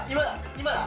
今だ